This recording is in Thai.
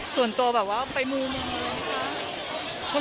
ส่วนตัวแบบว่าไปมูมูมั้ยคะ